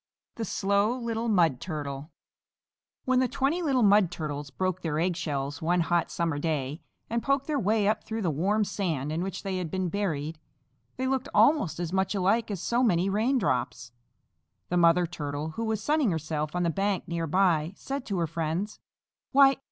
THE SLOW LITTLE MUD TURTLE When the twenty little Mud Turtles broke their egg shells one hot summer day, and poked their way up through the warm sand in which they had been buried, they looked almost as much alike as so many raindrops. The Mother Turtle who was sunning herself on the bank near by, said to her friends, "Why!